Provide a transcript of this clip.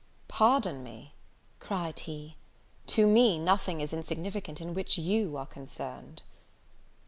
"Pardon me," cried he; "to me nothing is insignificant in which you are concerned."